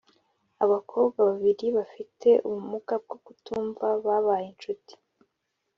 abakobwa babiri bafite ubumuga bwo kutumva babaye incuti